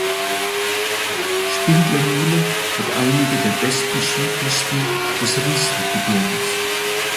Spindlermühle hat einige der besten Skipisten des Riesengebirges.